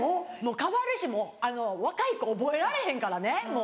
変わるしもう若い子覚えられへんからねもう。